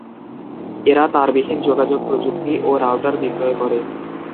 এরা তারবিহীন যোগাযোগ প্রযুক্তি ও রাউটার বিক্রয় করে।